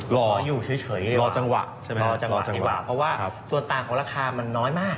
รออยู่เฉยดีกว่าเพราะว่าส่วนต่างของราคามันน้อยมาก